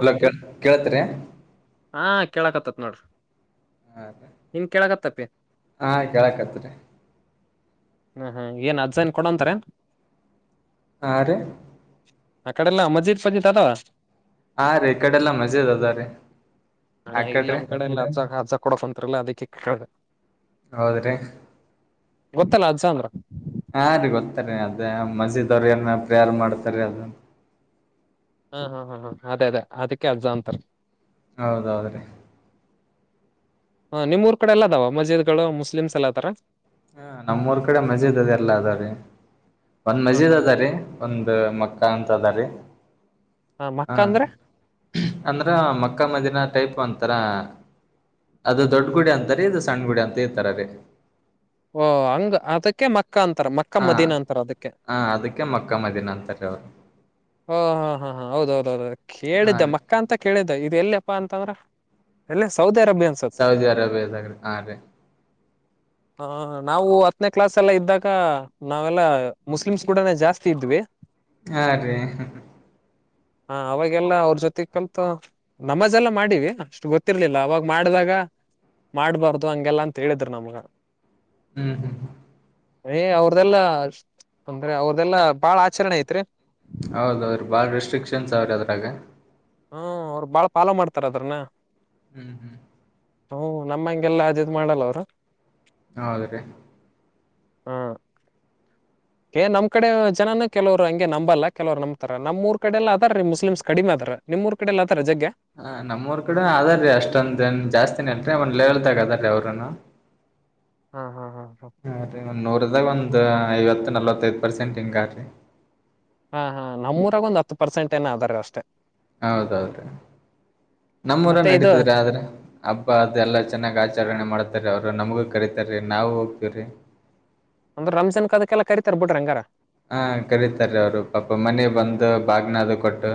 Hello ಕ ಕೇೇಳತ್ರಿ ಹಾ ಕೇಳಕ್ತತ್ ನೋಡ್ರಿ ಹಾ ರೀ ನಿಮ್ ಕೇಳಕತ್ತಪಿ ಹಾ ಕೇಳಕತ್ರಿ ಹ್ಮ್ ಹ್ಮ್ ಏನ್ ಅಜ್ಜೈನ್ ಕೊಡಂತಾರ ಆ ಆ ಕಡೆಲ್ಲ ಮಜಿದ್ ಪಜಿತ್ ಅದ ಹಾ ರೀ ಈ ಕಡೆಲ್ಲಾ ಮಜೆ ಅದ ಅದವ ರೀ ಹ ಇಲ್ಲ ನಮ್ಮ್ ಕಡೆಲ್ಲ ಹ ಕೊಡಂತಲ್ಲ ಅದಕ್ಕೆ ಕೇಳ ಹೌದ್ರೀ ಗೊತ್ತಲ್ಲ ಅಜ್ಜಾಂದ್ರ ಹಾ ರೀ ಗೊತ್ತಾರೀ ಅದ ಮಜೀದ್ ಅವ್ರ ಏನ ಪ್ರೇಯರ್ ಮಾಡ್ತಾರೀ ಅದ ಹಾ ಹಾ ಹಾ ಹಾ ಅದೇ ಅದೇ ಅದಕ್ಕೆ ಅಜ್ಜ ಅಂತರ್ ಹೌದೌದ್ರೀ ಹ ನಿಮ್ಮ್ಊರ್ ಕಡೆ ಎಲ್ಲದಾವ ಮಜೀದ್ಗಳು ಮುಸ್ಲಿಮ್ಸ್ ಎಲ್ಲ ಅದಾರ ಹ ನಮ್ಮೂಊರ್ ಕಡೆ ಮಜೀದ್ ಅದೆ ಎಲ್ಲಾ ಅದವರೀ ಒಂದ್ ಹಾ ಮಜೀದ್ ಹಾ ಅದಾರಿ ಒಂದ್ ಮಕ್ಕ ಅಂತ ಅದಾರಿ ಹ ಮಕ್ಕ ಹಾ ಅಂದ್ರೆ ಅಂದ್ರ ಮಕ್ಕ ಮದಿನ ಟೈಪ್ ಅಂತ ರ ಅದು ದೊಡ್ಡ ಗುಡಿ ಅಂತರಿ ಇದು ಸಣ್ಣ ಗುಡಿ ಅಂತ ಇರ್ತಾರ ರೀ ಓ ಹಂಗ ಅದಕ್ಕೆ ಮಕ್ಕ ಅಂತಾರ ಮಕ್ಕ ಹಾ ಮದೀನ ಅಂತಾರ ಅದಕ್ಕೆ ಹಾ ಅದಕ್ಕೆ ಮಕ್ಕ ಮದಿನ ಅಂತಾರೆವರು ಹ ಹಾ ಹಾ ಹಾ ಹೌದ ಹೌದೌ ಹಾ ಕೇಳಿದ್ದೆ ರೀ ಮಕ್ಕ ಅಂತ ಕೇಳಿದ್ದ ಇದು ಎಲ್ಲಿಪ್ಪಾ ಅಂತ ಅಂದ್ರೆ ಎಲ್ಲ ಸೌದೆ ಸೌದಿ ಅರೇಬಿಯ ಸಡೆ ಹಾ ರೀ ಹ ನಾವು ಹತ್ತನೇ ಕ್ಲಾಸ್ ಎಲ್ಲ ಇದ್ದಾಗ ನಾವೆಲ್ಲ ಮುಸ್ಲಿಮ್ಸ್ ಕೂಡನೆ ಜಾಸ್ತಿ ಇದ್ವಿ ಹಾ ರೀ ಹಾ ಅವಾಗೆಲ್ಲ ಅವ್ರ ಜೊತೆ ಕಲ್ತು ನಮಜೆಲ್ಲ ಮಾಡೀಿವಿ ಅಷ್ಟು ಗೊತ್ತಿರ್ಲಿಲ್ಲ ಅವಾಗ ಮಾಡ್ದಾಗ ಮಾಡ್ಬಾರ್ದು ಹಂಗೆಲ್ಲ ಅಂತ ಹೇಳಿದ್ರು ನಮ್ಗ ಹ್ಮ್ ಹ್ಮ್ ಏ ಅವ್ರದೆಲ್ಲಾ ಅಂದ್ರೆ ಅವ್ರದೆಲ್ಲಾ ಬಾಳ ಆಚರಣೆ ಐತ್ರಿ ಹೌದೌದ್ರೀ ಭಾಳ ರೆಸ್ಟ್ರಿಕ್ಷನ್ಸ್ ಅವ್ರೀ ಅದ್ರಾಗ ಹ್ಮ ಅವ್ರ ಬಾಳ ಪಾಲ ಮಾಡ್ತಾರ ಅದ್ರನ್ನ ಹ್ಮ್ ಹ್ಮ್ ಹ್ಮ ನಮ್ಮಂಗೆಲ್ಲಾ ಅದ ಇದ ಮಾಡಲ್ಲ ಅವರು ಹೌದ್ರೀ ಹಾ ಏ ನಮ್ಮ ಕಡೆ ಜನ ಕೆಲವರು ಹಂಗೆ ನಂಬಲ್ಲ ಕೆಲವ್ ನಂಬ್ತಾರ ನಮ್ಮೂರ್ ಕಡೆ ಎಲ್ಲ ಅದಾರ ರೀ ಮುಸ್ಲಿಮ್ಸ್ ಕಡಿಮೆ ಆದಾರ ನಿಮ್ಮ ಊರಕಡೆಎಲ್ಲಾ ಹ ನಮೂರ್ ಕಡೆ ಅದಾರೀ ಅಷ್ಟೊಂದನ್ ಜಾಸ್ತಿನ ಇಲ್ರಿ [unintelligible] ರೀ ಅವ್ರನು ಹಾ ಹಾ ಹಾ ಹ ಒಂದ್ ನೂರ್ [unintelligible] ಐವತ್ತು ನಲ್ವತ್ತೈಐದು ಪರ್ಸೆಂಟ್ ಹಿಂಗಾರಿ ಹಾ ಹಾ ನಮ್ಮೂರಾಗ ಒಂದು ಹತ್ತು ಪರ್ಸೆಂಟ್ ಏನ ಅದ್ದಾರೀ ಅಷ್ಟ. ಹೌದೌದು ನಮ್ಮೂರ ಮತ್ತೆ ಇದು ನಡತದ್ರಿ ಆದ್ರ ಹಬ್ಬ ಅದೆ ಎಲ್ಲ ಚೆನ್ನಾಗ್ ಆಚರಣೆ ಮಾಡ್ತಾರೆ ಅವರು ನಮಗೂ ಕರತಾರೀ ನಾವೂ ಹೋಗ್ತಿವ್ರಿ ಅಂದ್ರೆ ರಂಜನ್ ಕದಕ್ಕೆಲ್ಲ ಕರಿತಾರ್ ಬಿಡರೀ ಹಂಗಾರ ಹಾ ಕರತಾರೆ ಅವ್ರು ಪಾಪ ಮನೆ ಬಂದ ಭಾಗ್ನದು ಕೊಟ್ಟು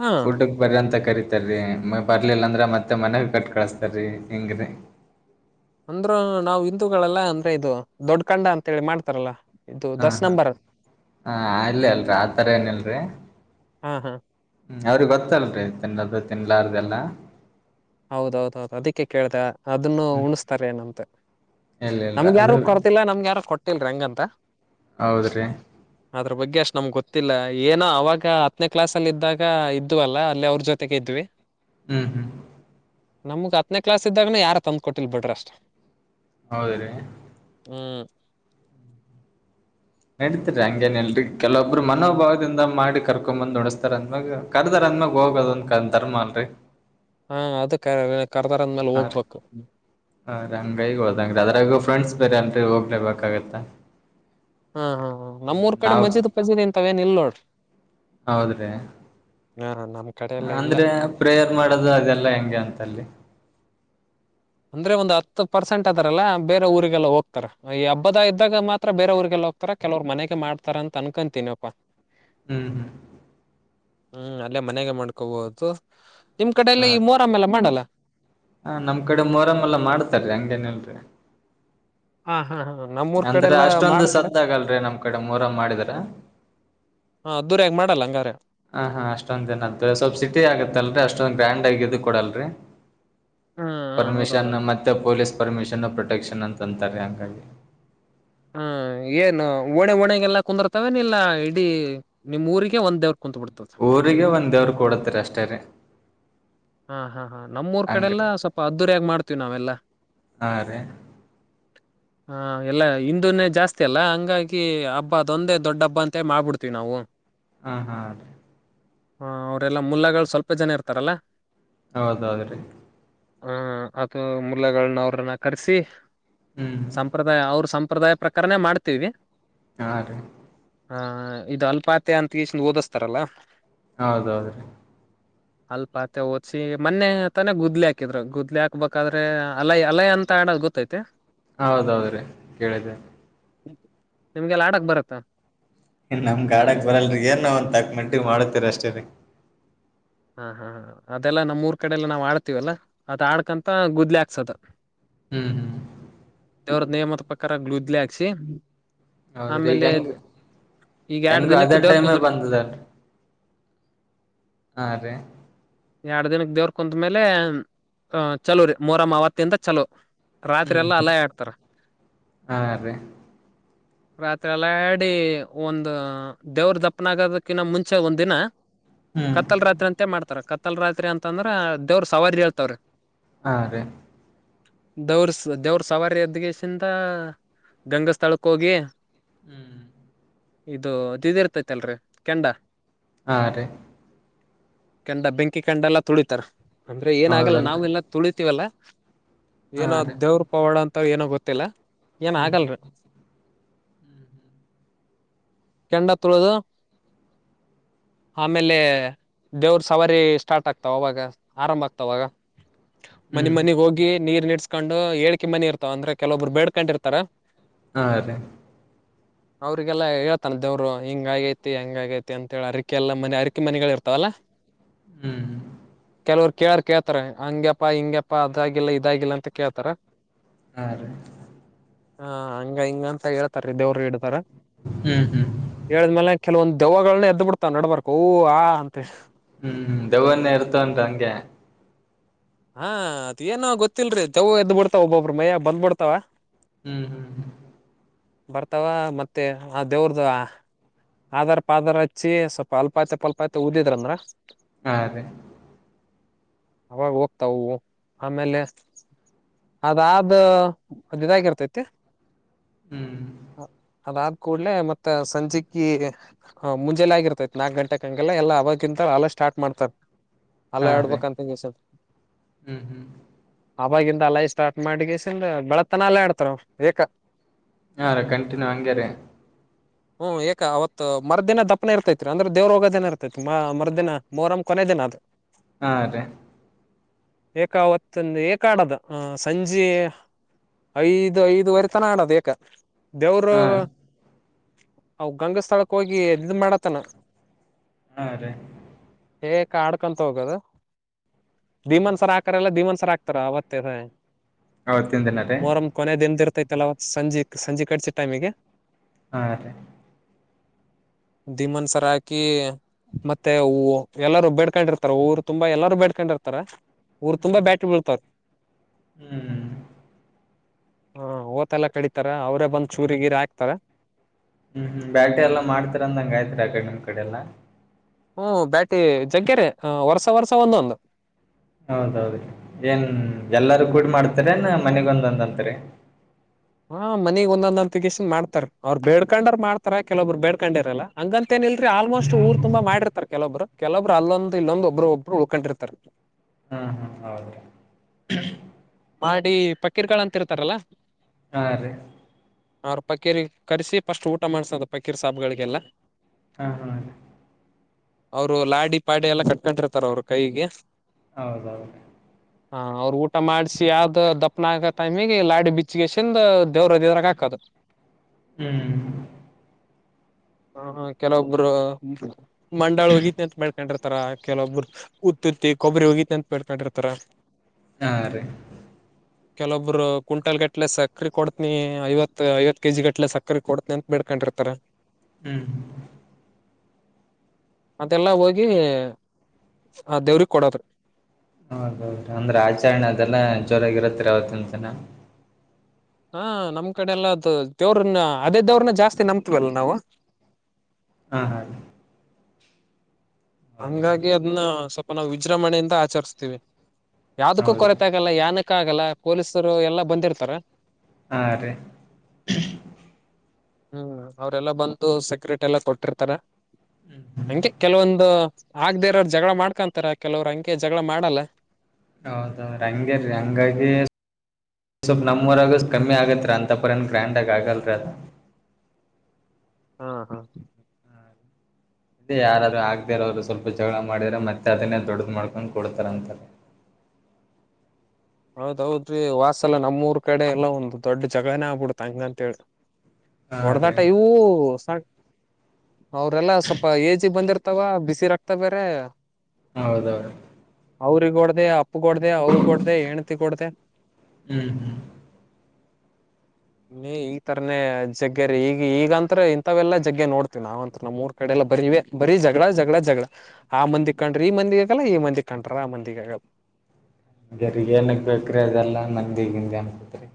ಹಾ ಊಟಕ್ ಬರಂತ ಕರಿತ ಬರ್ಲಿಲ್ಲ ಅಂದ್ರ ಮತ್ತೆ ಮನೆಗ್ ಕೊಟ್ ಕಳಸ್ತಾರೀ ಹಿಂಗ್ರೀ ಅಂದ್ರರು ನಾವು ಹಿಂದೂಗಳೆಲ್ಲ ಅಂದ್ರೆ ಇದು ದೊಡ್ಡ ಕಂಡ ಅಂತೇಳಿ ಮಾಡ್ತಾರಲ್ಲ. ಇದು ಹಾ ದಸ್ ಹಾ ನಂಬರ್ ಹಾ ಅಲ್ಲ ಅಲ್ರಿ ಆತರ ಏನ ಇಲ್ರಿ ಹಾ ಹಾ ಹ್ಮ ಅವ್ರಿಗೆ ಗೊತ್ತಲ್ರಿ ತಿನ್ನದು ತಿನ್ಲಾರ್ದಲ್ಲಾ ಹೌದೌದೌದು ಅದಕ್ಕೆ ಕೇಳ್ದ, ಅದನ್ನು ಹ್ಮ್ ಉಣಿಸಸ್ತಾರೆ ಏನಂತ. ಇಲ್ಲ ಇಲ್ರಿ ನಮ್ಗೆ ಯಾರು ಅದು ಕೊಡ್ರ್ತಿಲ್ಲಾ ನಮ್ಗೆ ಯಾರು ಕೊಟ್ಟಿಲ್ರಿ ಹಂಗಂತ. ತ್ತ ಹೌದ್ರೀ ಅದ್ರ ಬಗ್ಗೆ ಅಷ್ಟ್ ನಮ್ಗ್ ಗೊತ್ತಿಲ್ಲ ಏನೋ ಅವಾಗ ಹತ್ತನೇ ಕ್ಲಾಸ್ ಅಲ್ಲಿ ಇದ್ದಾಗ ಇದ್ದು ಅಲ್ಲ ಅಲ್ಲಿ ಅವ್ರ ಜೊತೆಗೆ ಇದ್ವಿ. ಹ್ಮ್ ಹ್ಮ್ ನಮ್ಗ್ ಹತ್ತನೇ ಕ್ಲಾಸ್ ಇದ್ದಾಗನ ಯಾರ ತಂದ್ ಕೊಟ್ಟಿಲ್ ಬಿಡ್ರಿ ಅಷ್ಟ. ಹೌದ ರೀ ಹ್ಮ ನಡತಿರಿ ಹಂಗೇನ ಇಲ್ರರಿ ಕೆಲವೊಬ್ರು ಮನೋಭಾವದಿಂದ ಮಾಡಿ ಕರ್ಕೊ ಬಂದ್ ಉಣಸ್ತಾರ ಅಂದಾಗ ಕರ್ದಾರ ಅಂದ್ಮೇಲ ಹೋಗದೊಂದ ಕ ಧರ್ಮ ಅಲ್ರೀ ಹಾ ಅದ ಕರೆ ಹಾರೀ ಹಾ ರಿ ಹಂಗೈಗೆ ಹೋದಂಗ್ರೀ ಅದ್ರಾಗ ಫ್ರೆಂಡ್ಸ್ ಬೇರೆ ಅ ಹೋಗ್ಲೇಬೇಕಾಗತ್ತ. ಹಾ ಹಾ ಹ ಹ್ಮ್ ನಮ್ಮೂಊರ್ ಕಡೆ ನಾವ್ ಮಜೀದ್ ಪಜೀದ್ ಇಂತವೇಏನ್ ಇಲ್ ನೋಡ್ರಿ ಹೌದ್ರಿ ಹಾ ಕಡೆ ಎಲ್ಲ ಇಲ್ಲ ಅಂದ್ರೆ ಪ್ರೇಯರ್ ಮಾಡದು ಅದೆಲ್ಲ ಹೆಂಗೆ ಅಂತ ಅಲ್ಲಿ. ಅಂದ್ರೆ ಒಂದ್ ಹತ್ತು ಪರ್ಸೆಂಟ್ ಅದ್ರಲ್ಲ ಬೇರೆ ಊರಿಗೆಲ್ಲ ಹೋಗ್ತಾರ ಈ ಹಬ್ಬದ ಇದ್ದಾಗ ಮಾತ್ರ ಬೇರೆ ಊರಿಗೆಲ್ಲ ಹೋಗ್ತಾರ ಕೆಲವರು ಮನೆಗೆ ಮಾಡ್ತಾರ ಅಂತ ಅನ್ಕೊತೀನಿಪ್ಪ. ಹ್ಮ್ ಹ್ಮ್ ಹ್ಮ್ ಅಲ್ಲೇ ಮನೆಗೆ ಮಾಡ್ಕೋಬೋದು ನಿಮ್ ಕಡಲ್ಲ ಈ ಮೂರಮ್ಮ ಎಲ್ಲ ಮಾಡಲ್ಲ ಹ ನಮ್ ಕಡೆ ಮೊರಮ್ಮ ಎಲ್ಲ ಮಾಡ್ತಾರೀ ಹಂಗೇನಲ್ರರಿ ಹಾ ಹಾ ಹಾ ನಮ್ಮೂರ್ ಕಡೆ ಅಂದ್ರೆ ಎಲ್ಲಾ ಅಷ್ಟೊಂದು ಮಾಡ್ತಾರೆ ಸದ್ದಗಲ್ರಿರಿ ನಮ್ ಕಡೆ ಮೂರ ಮಾಡಿದ್ರ ಹ ಅದ್ದೂರಿಯಾಗಿ ಮಾಡಲ್ಲ ಹಂಗಾರೆ ಹ ಹಾ ಅಷ್ಟೊಂದ್ ಜನದ ಸ್ವಲ್ಪ ಸಿಟಿ ಆಗತ್ತಲ್ರಿ ಅಷ್ಟೊ್ ಗ್ರ್ಯಾಂಡ್ ಆಗ ಇ ಕೊಡಲ್ರರಿ ಹಾ ಹಾ ಪರ್ಮಿಷನ್ ಹೌದೌದು ಮತ್ತೆ ಪೊಲೀಸ್ ಪರ್ಮಿಷನ್ ಪ್ರೊಟೆಕ್ಷನ್ ಅಂತ ತಂತರಕಿಗೆ ಹಾ ಏನು ಓಣೆ ಣಗೆಲ್ಲ ಕುಂದರ್ತವನ ಇಲ್ಲಾ ಇಡೀ ನಿಮ ಊರಿಗೆ ಒಂದೇವ್ರ ಊರಿಗೆ ಒಂದೇವ್ರು ಕೊೂಡತ್ತರಿ ಅಷ್ಟಾರೆ ಹಾ ಹಾ ಹಾ ನಮ್ಮೂರ್ ಕಡೆಲ್ಲ ಸ್ವಲ್ಪ ಅದ್ದುರಯಾಗ ಮಾಡ್ತೀವಿ ನಾವೆಲ್ಲಾ ಹಾ ರೀ ಹ ಎಲ್ಲ ಹಿಂದನ್ನೇ ಜಾಸ್ತಿ ಅಲ್ಲ ಹಂಗಾಗಿ ಹಬ್ಬ ಅದೊಂದೇ ದೊಡ್ಡ ಹಬ್ಬ ಅಂತ ಮಾಡ್ಬಿಡ್ತೀವಿ ನಾವು ಹಾ ಹಾ ಹ ಅವರೆಲ್ಲಾ ಮುಲ್ಲಗಳು ಸ್ವಲ್ಪ ಜನ ಇರ್ತಾರಲ್ಲಾ ಹೌದದ್ರೀ ಹ ಅಥ ಮುಲ್ಲಗಳನ್ನ ಅವ್ರನ್ನ ಕರೆಸಿ ಹ್ಮ್ ಸಂಪ್ರದಾಯ ಅವ್ರ ಸಂಪ್ರದಾಯ ಪ್ರಕರಣ ಮಾಡ್ತೀವಿ ಆ ಹ ಇದು ಅಲ್ಪಾತ್ಯ ಅಂತ ಈನ್ ಓದಿಸ್ತಾರಲ್ಲ ಹೌದೌದ ರೀ ಹಲ್ಪಾತ್ ಮತ್ತೆ ಓದ್ಸಿ ಮೊ ತನ ಗುದ್ಲಿ ಹಾಕಿದ್ರು ಗುದ್ಲಿ ಹಾಕ್ಬೇಕಾದ್ರೆ ಅಲೈ ಅಲಯ ಅಂತ ಆಡದ ಗೊತ್ತೈತೆ ಹೌದೌದ್ರೀ ಕೇಳಿದ್ದೆ ನಿಮ್ಗೆಲ್ಲ ಆಡಕ್ ಬರತ್ತಾ ನಮ್ಗ್ ಗಾಡಕ್ ಬರಲ್ ಏನ್ ತಕ್ ಮಟ್ಟಿ ಮಾಡತೀರ ಅಷ್ಟೇ ರೀ ಹಾ ಹಾ ಹ ಅದೆಲ್ಲಾ ನಮ್ಮರ್ ಕಡೆ ಎಲ್ಲ ನಾವ್ ಆಡ್ತೀವಲ್ಲಾ ಅದ ಆಡ್ಕಂತ ಗುದ್ಲಿ ಹಾಕ್ಸದ ಹ್ಮ್ ಹ್ಮ್ ಇವ್ರ ನೇಮದ ಪ್ರಕಾರಲು ಇದ್ಲಿ ಹಾಕ್ಸಿ ಹೌದ್ರಿ ಈಗ ಆಮೇಲೆ ಹೆಂಗ ಈಗ ಎರಡ್ ಹೆಂಗ ದಿನಕ್ ಅದೇ ದೇವ್ರ ಟೈಮ್ ಕುಂದರ್ತ ಬಂದದಲ್ರಿ ಹಾ ರೀ ಎರಡ್ ದಿನಕ್ ದೇವ್ರ ಕುಂತ ಮೇಲೆ ಅ ಚಲೋ ರರಿ ಮೂರಮ್ಮ ಆವತ್ತಿಂದ ಚಲೋ ರಾತ್ರಿ ಹ್ಮ್ ಎಲ್ಲಾ ಹ್ಮ್ ಅಲಾಯ ಹಕ್ತಾರ ಹಾ ರೀ ರಾತ್ರಿ ಎಲ್ಲ ಆಡಿ ಒಂದ ದೇವ್ರ ದಪ್ಪನ ಆಗದಕ್ಕಿನ್ನ ಮುಂಚೆ ಒಂದ ದಿನ ಹ್ಮ್ ಕತ್ತಲ್ ರ್ರಂತೆ ಮಾಡ್ತಾರ ಕ ಮತ್ತಲ್ ರಾತ್ರಿ ಅಂತ ಅಂದ್ರ ದೇವ್ರ ಸವಾರಿ ಹೇಳ್ತವ್ರಿ ಹಾ ರೀ ದವರ್ ದವ್ರ ಸವಾರಿ ಎದಗಸಿಂದ ಗಂಗಾ ಸ್ಥಳಕ್ಕೆ ಹೋಗಿ ಹ್ಮ್ ಇದುದು ಇದ ಇರ್ತೈತಿ ಅಲ್ರಿ ಕೆಂಡ ಹಾ ರೀ ಕೆಂಡ ಬೆಂಕಿ ಕಿಕ್ಕ್ ಕಂಡಲ್ಲ ತುಳಿತರ್ ಅಂದ್ರೆ ಏನಾಗಲ್ಲ ನಾವು ಹೌದಲ್ರಿ ಎಲ್ಲ ತುಳಿತಿವಲ್ಲ ಹಾ ಏನ ರೀ ದೇವ್ರ ಪವಾಡ ಅಂತ ತಾವ್ ಏನೋ ಗೊತ್ತಿಲ್ಲ. ಏನ್ ಹ್ಮ್ ಹ್ಮ್ ಆಗಲ್ರಿ ಕೆಂಡ ತುಳದು ಆಮೇಲೆ ದೇವ್ರ ಸವಾರಿ ಸ್ಟಾರ್ಟ್ ಸ್ಟಾರ್ಟ್ ಆಗ್ತಾವ ಅವಾಗ ಆರಂಭ ಆಗ್ತಾವಾಗ ಮನೆ ಹ್ಮ್ ಮನೆಗ್ ಹೋಗಿ ನೀರ್ ನೀಡ್ ಕಸ್ಕೊಂಡು ಏಳ್ಕ ಮನೆ ಇರ್ತವ ಅಂದ್ರೆ ಕೆಲವೊಬ್ರು ಬೇಡ್ಕೊಂಡಿರ್ತಾರ ಹಾರಿ ಅವ್ರಿಗೆಲ್ಲ ಹೇಳ್ತಾನ ದೇವರು ಹಿಂಗ ಆಗೈತಿ ಹಂಗ ಆಗೈತಿ ಅಂತ ಹೇಳ ಅರಿಕೆಲ್ಲ ಮನೆ ಅರಿಕೆ ಮನೆಗಳ ಇರ್ತಾವಲ್ಲ. ಹ್ಮ್ ಕೆಲವರು ಕೇಳಾರ ಕೇಳ್ತಾರ ಹಂಗಗೆಪ್ಪಾ ಹಿಂಗಪ್ಪಾ ಅದಾಗಿಲ್ಲ ಇದಾಗಿಲ್ಲ ಅಂತ ಕೇಳ್ತಾರ ಹಾರಿ ಹ ಹಂಗ ಹಿಂಗ ಅಂತ ಹೇಳ್ತಾರ. ದೇವರು ಇಡ್ತಾರ ಹ್ಮ್ ಹ್ಮ್ ಹೇಳಿದ್ಮೇಲೆ ಕೆಲವೊಂದು ದೆವಗಳನ್ನ ಎದ್ ಬಿಡ್ತಾವ ನಡಬರ್ಕ ಹು ಆ ಅಂತ ತಡಿ ದೆವನ್ನಯ ಇರ್ತ ಅಂತ ಹಂಗೆ ಹಾ ಅದೆ ಏನೋ ಗೊತ್ತಿಲ್ರಿ ದೆವ್ವ ಎದ್ ಬಿಡ್ತಾವ ಒಬ್ಬೊಬ್ರ ಮಯಗ ಬಂದ್ಬಿಡ್ತಾವ. ಹ್ಮ್ ಹ್ಮ್ ಹ್ಮ ಬರ್ತಾವ ಮತ್ತೆ ಆ ದೇವ್ರದ ಆಧಾರ್ ಪಾದಾರ್ ಹಚ್ಚಿ ಸ್ವಲ್ಪ ಅಲ್ಪಾತಿ ಪಲ್ಪಾತಿ ಊದಿದ್ರಂದ್ರ. ಹ ಅದೇ ಅವಾಗ್ ಒ ತೌವು ಆಮೇಲೆ ಅದಾದ ಇದಾಗಿರ್ತೈತಿ ಹ್ಮ್ ಅದ ಅದಬ ಕೂಡ್ಲೆ ಮತ್ತ ಸಂಜೆಕ್ಕ ಮುಂಜೆಲ್ಲ ಆಗಿರ್ತೈತ್ ನಾಕ್ ಗಂಟೆ ಹಂಗೆಲ್ಲ ಎಲ್ಲಾ ಅವಾಗಿಂತ ಅಲ್ಲ ಸ್ಟಾರ್ಟ್ ಮಾಡ್ತಾರ. ಹಾ ಅಲ್ಲ ರೀ ಆಡ್ಬಕ್ಂತಸಲ್ ಹ್ಮ್ ಹ್ಮ್ ಆವಾಗಿಂದ ಅಲೈ ಸ್ಟಾರ್ಟ ಮಾಡಿಗಸ ಬೆಳತನ ಅಲ್ಲೇ ಆಡ್ತಾರ ಅವರ ಏಕ ಹಾರೀ ಕಂಟನ್ಯೂ ಹಂಗರಿ ಹ್ಮ್ ಏಕ ಅವತ್ತು ಮರ್ದಿನ ದಪ್ಪನ ಇರ್ತೈತ್ರಿ ಅಂದ್ರೆ ದೇವ್ರ ಹೋಗೋದಿನ ಇರ್ತೈತಿ ಮ ಮರ್ದಿನ ಮೋರಮ ಕೊನೆ ದಿನ ಅದು. ಹಾ ರೀ ಏಕಾವತ್ತಂದು ಏಕ ಆಡೋದು ಆ ಸಂಜೆ ಐದು ಐದುವರೆ ತನ ಆಡೋದು ಏಕ. ದೇವರು ಹಾ ಅವ ಗಂಂಗಾ ಸ್ಥಳಕ್ಕೆ ಹೋಗಿ ಇದ ಮಾಡತನ ಹಾ ರೀ ಹೇ ಆಡ್ಕೊಂತ ಹೋಗದು ದೀಮನ್ಸರ ಹಾಕರೆಲ್ಲ ದೀಮನ್ಸರ ಹಕ್ತಾರ ಅವತ್ತೇ ಹೌದ್ ತಿಂದಿನ [unintelligible] ಇತೈತಲ ಅವತ್ ಸಂಜಿ ಸಂಜೆ ಕಡ್ಚ್ ಟೈಮಿಗೆ ಹಾ ಅದೆ ದಿಮನ್ಸರ್ ಹಾಕಿ ಮತ್ತೆ ಹು ಎಲ್ಲಾರ ಬೇಡ್ಕೊಂಡಿರ್ತಾರ್ ಊರ್ ತುಂಬಾ ಎಲ್ಲಾರು ಬೇಡ್ಕೊಂಡಿರ್ತಾರೆ. ತ್ತರ ಊರ್ ತುಂಬ ಹ್ಮ್ ಬ್ಯಾಟ್ರಿ ಬಿಳ್ತಾರ್ ಹ್ಮ್ ಹಾ ಓತೆಲ್ಲ ಕಡಿತಾರ, ಅವ್ರೇ ಬಂದ್ ಚೂರಿ ಗೀರಿ ಹಾಕ್ತರ. ಹ್ಮ್ ಹ್ಮ್ ಬ್ಯಾಟಿ ಎಲ್ಲಾ ಮಾಡ್ತರ್ ಅಂದಂಗಯ್ತ್ ಅಕಡ್ ನಿಮ್ ಕಡೆ ಎಲ್ಲಾ ಹ್ಮ ಬ್ಯಾಟಿ ಜಗ್ಗೆರೆ ವರ್ಸ ವರ್ಸ ಒಂದೊಂದು ಹೌದೌದು ಏನ್ ಎಲ್ಲಾರ್ ಕೂಡಿ ಮಾಡ್ತಿರನ ಮನೆಗೊಂದಂದಂತ್ರಿ ಹಾ ಮನಿಗ್ ಒಂದೊಂದ್ ಅಂತ್ ತಗಿಸಿ ಮಾಡ್ತಾರ, ಅವ್ರು ಬೇಡ್ಕೊಂಡರ್ ಮಾಡ್ತಾರ ಕೆಲೊಬ್ರು ಬೇಡ್ಕೊಂಡಿರಲ್ಲ, ಹಂಗಂತ ಏನ್ ಇಲ್ರಿ ಆಲ್ಮೋಸ್ಟ್ ಊರ್ ತುಂಬ ಮಾಡಿರ್ತಾರ್ ಕೆಲೊಬ್ರು ಕೆಲೊಬ್ರು ಅಲ್ಲೊಂದು ಇಲ್ಲೊಂದ್ ಒಬ್ರು ಒಬ್ರು ಉಳ್ಕೊಂಡಿರ್ತಾರೆ ಹಾ ಹಾ ಹೌದ್ರಿ ಮಾಡಿ ಪಕ್ಕೀರ್ಗಳ್ ಅಂತಿರ್ತಾರಲ್ಲ ಹ ರಿ ಅವ್ರ್ ಪಕ್ಕೀರಿಗ್ ಕರ್ಸಿ ಫಸ್ಟ್ ಊಟ ಮಾಡ್ಸದ್ ಪಕ್ಕಿರ್ ಸಾಬ್ಗಳಿಗೆಲ್ಲ ಹಾ ಹಾ ಅವ್ರು ಲಾಡಿ ಪಾಡಿ ಎಲ್ಲ ಕಟ್ಕೊಂಡಿರ್ತಾರೆ ಅವ್ರು ಕೈಗೆ ಹೌದೌದು ಹಾ ಅವ್ರ್ಗ್ ಊಟ ಮಾಡ್ಸಿ ಯಾವ್ದ್ ದಪ್ನ ಆಗ ಟೈಮಿಗೆ ಲಾಡಿ ಬಿಚ್ಗೆಸಂದು ದೇವ್ರ ದೇವ್ರಾಗ ಹಾಕದು ಹ್ಮ್ ಹ ಹ ಕೆಲವೊಬ್ರು ಮಂಡಾಳ್ ಹೋಗಿತಿ ಅಂತ್ ಬೆಡ್ಕಂಡಿರ್ತಾರ, ಕೆಲ್ವೊಬ್ರು ಉತ್ ಉತ್ತಿ ಕೊಬ್ರಿ ಹೋಗಿತಿ ಅಂತ್ ಬೆಡ್ಕಂಡಿರ್ತಾರ ಹಾ ರಿ ಕೆಲವೊಬ್ರು ಕ್ವಿಂಟಲ್ ಗಟ್ಲೆ ಸಕ್ರೆ ಕೊಡ್ತನಿ, ಐವತ್ ಐವತ್ ಕೆ ಜಿ ಗಟ್ಲೆ ಸಕ್ರೆೆ ಕೊಡ್ತಿನಿ ಅಂತ್ ಬಿಡ್ಕೊಂಡಿರ್ತಾರೆ ಹ್ಮ್ ಅದೆಲ್ಲಾ ಹೋಗಿ ಆ ದೇವ್ರಿಗ್ ಕೊಡೋದು. ಹೌದೌದ್ ಅಂದ್ರೆ ಆಚರಣೆ ಅದೆಲ್ಲಾ ಜೋರಾಗಿರುತ್ರಿ ಅವತ್ತೊಂದ್ ದಿನ ಹಾ ನಮ್ ಕಡೆ ಎಲ್ಲ ದೇವ್ರನ್ನ ಅದೇ ದೇವ್ರನ್ನ ಜಾಸ್ತಿ ನಂಬ್ತಿವಲ್ಲ ನಾವು ಹಾ ಹಾ ಹಂಗಾಗಿ ಹೌದೌದು ಅದನ್ನ ಸ್ವಲ್ಪ ನಾವು ವಿಜೃಂಭಣೆ ಇಂದ ಆಚರ್ಸ್ತೀವಿ ಯಾವ್ದಕ್ಕೂ ಹೌದ್ರಿ ಕೊರ್ತೆ ಆಗಲ್ಲ ಯಾನಕ್ ಕ್ಕಾಗಲ್ಲ ಪೊಲೀಸೊರು ಎಲ್ಲಾ ಬಂದಿರ್ತಾರ ಆ ರಿ ಹ್ಮ್ ಅವ್ರೆಲ್ಲ ಬಂದು ಸೆಕ್ರೆಟ್ ಎಲ್ಲಾ ಕೊಟ್ಟಿರ್ತಾರ ಹಂಗೆ ಕೆಲ್ವೊಂದು ಆಗ್ದೆ ಇರೋರ್ ಜಗಳ ಮಾಡ್ಕೊಂತಾರ ಕೆಲವ್ರು ಹಂಗೆ ಜಗಳ ಮಾಡಲ್ಲ ಹೌದ ಹಂಗೇರಿ ಹಂಗಾಗಿ ಸುಮ್ನ್ ನಮ್ಮುರಗು ಕಮ್ಮಿ ಆಗತ್ರಿ ಅಂತ ಪರೆನ್ ಗ್ರ್ಯಾಂಡಗ್ ಆಗಲ್ರಿ ಅದ ಹಾ ಹಾ ಅದೇ ಯಾರಾದ್ರು ಆಗ್ದೇ ಇರೋರು ಸ್ವಲ್ಪ ಜಗಳ ಮಾಡಿದ್ರ ಮತ್ತೆ ಅದನ್ನೇ ದೊಡ್ಡದ್ ಮಾಡ್ಕೊಂಡ್ ಕೊಡ್ತಾರ್ ಅಂತಾ. ಹೌದೌದ್ರಿ ವಾಸಲ್ಲ ನಮ್ ಊರ್ ಕಡೆ ಎಲ್ಲ ಒಂದು ದೊಡ್ ಜಗ್ಳನೇ ಆಗ್ಬಿಡುತ್ ಹಂಗಂತ್ ಹೇಳಿ ಹಾ ರೀ ಹೊಡೆದಾಟ ಇವು ಸಾ ಅವ್ರೆಲ್ಲ ಸ್ವಲ್ಪ ಏಜಿಗ್ ಬಂದಿರ್ ಆತವಾ ಬಿಸಿ ರಕ್ತ ಬೇರೆ ಹೌದೌದು ಅವ್ರಿಗ್ ಹೊಡ್ದ ಪ್ಪ ಕೊಡ್ದ ಅವು ಕೊಡ್ದ ಹ್ಮ್ ಹ್ಮ್ ನೀ ಈ ತರನೇ ಜಗ್ಗೆರ ಈಗ ಈಗಂತ್ರ ಇಂಥವೆೆಲ್ಲಾ ಜಗ್ಗೆ ನೋಡ್ತವಿ ನಾವಂತ್ರ ನ ಮೂರ್ ಕಡೆ ಎಲ್ಲ ಬರಿವೇ ಬರೀ ಜಗಳ ಜಗಳ ಜಗಳ ಆ ಮಂದಿಗ್ ಕಣ್ರಿ ಈ ಮಂದಿಗ ಆಗಲ್ಲ ಈ ಮಂದಿಗ್ ಕಂಡ್ರ ಆ ಮಂದಿಗ ಆಗಲ್ಲ ರಿ ಏನಕ್ಕೆ ಬೇಕ್ರಿ ಅದೆಲ್ಲ ನ್ದ ಈಗಿಂದ ಅನ್ಕತ್ರಿ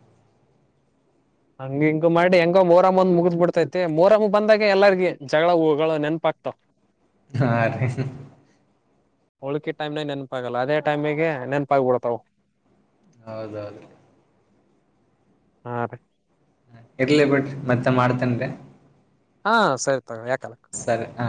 ಹಂಗ ಹಿಂಗ ಮಾಡಿ ಹೆಂಗ ಮೋರಾಮ್ ಒಂದ್ ಮುಗ್ದ್ ಬಿಡ್ತೈತೆ ಮೋರಮ್ಮ್ ಬಂದಾಗ ಎಲ್ಲಾರ್ಗ ಜಗಳ ಹಗಳು ನೆನಪ ಆಗ್ತ ಹಾ ರ ಹೋಳ್ಕಿ ಟೈಮ್ನಾಗ ನೆನ್ಪಾಗಲ್ಲ ಅದೇ ಟೈಮಿಗೆ ನೆನ್ಪಾಗಬಡ್ತವು ಹೌದೌದು ಹ ಇರ್ಲಿ ಬಿಟ್ ಮತ್ತೆ ಮಾಡ್ತನ್ರಿ ಹಾ ಸರಿ ತಗೋ ಯಾಕಲ್ಲ ಸರಿ ಹ